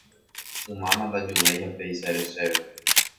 ymáma ndajuvéi ha péicha ere chéve